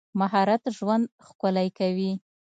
مهارت ژوند ښکلی کوي.